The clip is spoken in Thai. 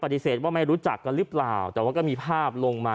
ปฏิเสธว่าไม่รู้จักกันหรือเปล่าแต่ว่าก็มีภาพลงมา